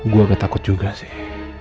gue agak takut juga sih